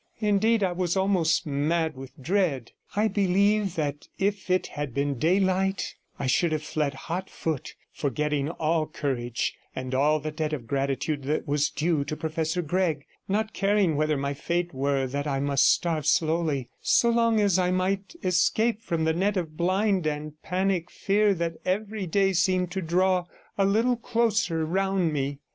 Indeed, I was almost mad with dread; I believe that if it had been daylight I should have fled hot foot, forgetting all courage and all the debt of gratitude that was due to Professor Gregg, not caring whether my fate were that I must starve slowly, so long as I might escape from the net of blind and panic fear that every day seemed to draw a little closer round me.